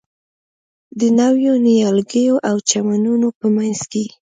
د نویو نیالګیو او چمنونو په منځ کې.